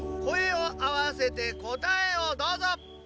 こえをあわせてこたえをどうぞ！